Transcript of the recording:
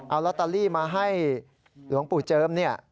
เอาลอตเตอรี่มาให้หลวงปู่เจิมเนี่ย